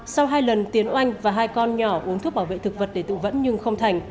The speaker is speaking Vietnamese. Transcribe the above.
sau hai lần tiến oanh và hai con nhỏ uống thuốc bảo vệ thực vật để tự vẫn nhưng không thành